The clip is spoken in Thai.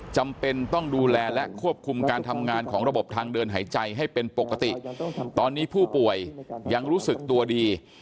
จำเป็นต้องดูแลและควบคุมการทำงานของระบบทางเดินหายใจให้เป็นปกติตอนนี้ผู้ป่วยยังรู้สึกตัวดี